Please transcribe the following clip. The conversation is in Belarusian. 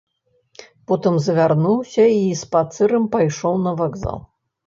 Потым завярнуўся й спацырам пайшоў на вакзал.